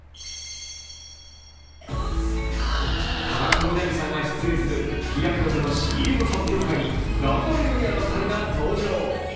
田中みな実さんが出演する日焼け止めのＣＭ発表会にガンバレルーヤの２人が登場。